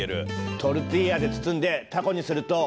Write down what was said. トルティーヤで包んでタコにすると。